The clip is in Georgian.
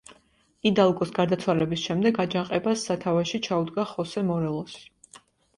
იდალგოს გარდაცვალების შემდეგ აჯანყებას სათავეში ჩაუდგა ხოსე მორელოსი.